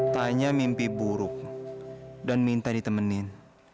tanya mimpi buruk dan minta ditemenin